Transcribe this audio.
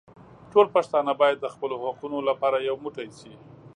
ټول پښتانه بايد د خپلو حقونو لپاره يو موټي شي.